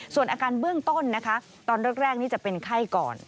ส่วนอาการเบื้องต้นนะคะตอนแรกนี่จะเป็นไข้ก่อน